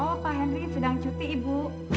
oh pak henry sedang cuti ibu